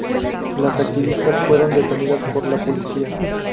Las activistas fueron detenidas por la Policía.